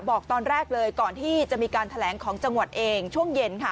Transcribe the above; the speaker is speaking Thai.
บอกตอนแรกเลยก่อนที่จะมีการแถลงของจังหวัดเองช่วงเย็นค่ะ